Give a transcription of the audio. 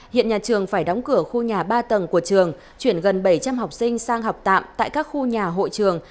hiện nhà trường phải đóng cửa khu nhà ba tầng của trường chuyển gần bảy trăm linh học sinh sang học tạm tại các khu nhà hội trường